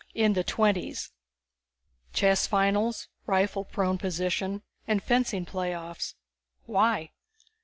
"... in the Twenties?" "Chess finals, rifle prone position, and fencing playoffs. Why?"